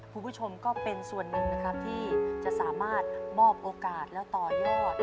คุณผู้ชมก็เป็นส่วนหนึ่งนะครับที่จะสามารถมอบโอกาสแล้วต่อยอด